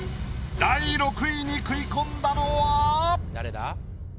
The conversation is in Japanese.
第６位に食い込んだのは？